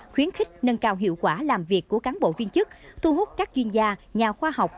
khuyến khích nâng cao hiệu quả làm việc của cán bộ viên chức thu hút các chuyên gia nhà khoa học